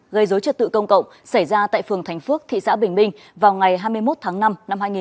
gây dối trật tự công cộng xảy ra tại phường thành phước thị xã bình minh vào ngày hai mươi một tháng năm năm hai nghìn hai mươi ba